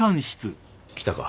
来たか。